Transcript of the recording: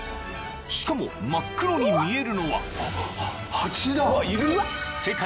［しかも真っ黒に見えるのは］